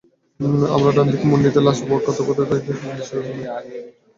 আমরা ডান দিকে মোড় নিতেই লাশ ভক্ষণরত কয়েকটি শকুন দৃষ্টিগোচর হয়।